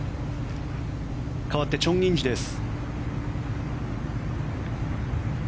かわってチョン・インジです。